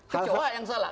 kecua yang salah